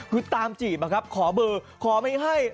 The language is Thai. คือตามจีบอะครับขอเบอร์ขอไม่ให้